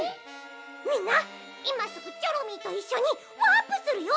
みんないますぐチョロミーといっしょにワープするよ！